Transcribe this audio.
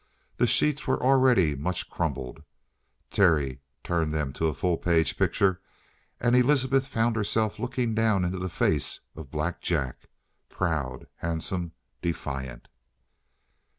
The sheets were already much crumbled. Terry turned them to a full page picture, and Elizabeth found herself looking down into the face of Black Jack, proud, handsome, defiant.